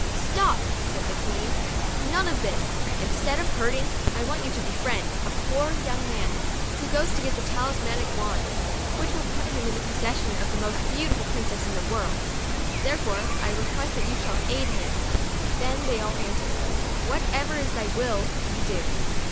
" Stop," said the Queen, " none of this ! Instead of hurting, I want you all to befriend, a poor young man, who goes to get the talismanic wand, which will put him in possession of the most beautiful princess in the world. Therefore I request that you shall aid him." Then they all answered, " What ever is thy will, we do."